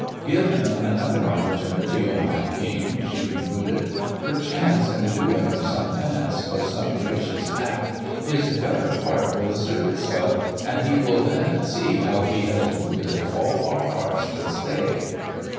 "Give him another opportunity, O my King!" she concluded. "Perchance in the doing of some penance or some gracious act, his better heart will assert itself, and he will then see how he has wounded all our hearts this day."